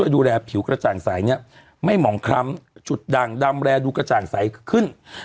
ดูแลผิวกระจ่างใสเนี่ยไม่หมองคล้ำจุดด่างดำแรดูกระจ่างใสขึ้น